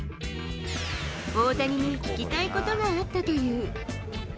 大谷に聞きたいことがあったという。